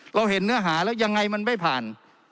เราเห็นเนื้อหาแล้วยังไงมันไม่ผ่าน